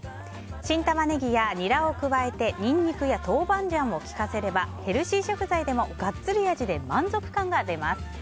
新タマネギやニラを加えてニンニクや豆板醤を効かせればヘルシー食材でもガッツリ味で満足感が出ます。